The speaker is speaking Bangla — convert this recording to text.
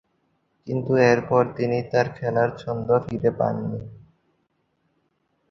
কিন্তু এরপর তিনি তার খেলার ছন্দ ফিরে পাননি।